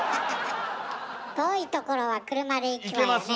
遠いところは車で行くわよね。